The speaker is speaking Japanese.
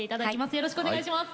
よろしくお願いします。